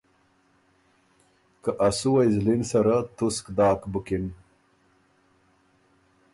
که ا سُوئ زلی ن سره تُسک داک بُکن۔